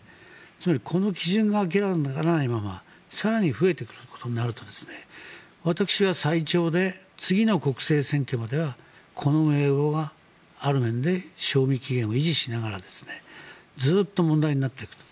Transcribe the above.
つまり、この基準が明らかにならないまま更に増えていくことになると私は最長で次の国政選挙まではこのままある面で賞味期限を維持しながらずっと問題になっていくと。